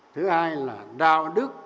thứ hai là đạo đức